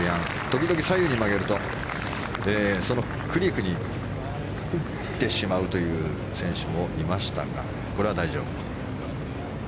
時々左右に曲げると、クリークに打ってしまうという選手もいましたが、これは大丈夫。